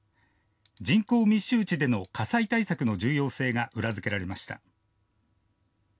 人口密集地での火災対策の重要性が裏付けられました。